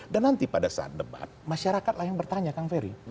dan nanti pada saat debat masyarakat lah yang bertanya kang ferry